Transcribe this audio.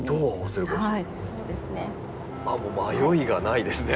あっもう迷いがないですね。